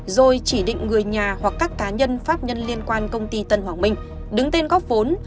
rồi chỉ định người nhà hoặc các cá nhân pháp nhân liên quan công ty tân hoàng minh đứng tên góp vốn